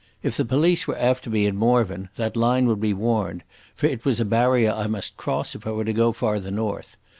If the police were after me in Morvern, that line would be warned, for it was a barrier I must cross if I were to go farther north.